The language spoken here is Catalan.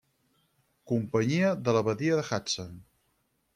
Companyia de la Badia de Hudson.